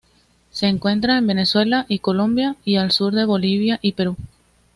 Se encuentran en Venezuela y Colombia y al sur de Bolivia y Perú.